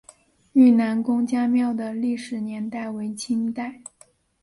愈南公家庙的历史年代为清代。